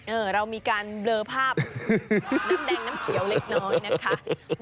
เรามีการเบลอภาพน้ำแดงน้ำเขียวเล็กน้อยนะคะ